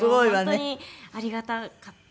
本当にありがたかったです。